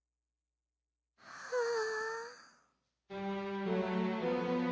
はあ。